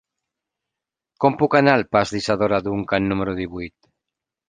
Com puc anar al pas d'Isadora Duncan número divuit?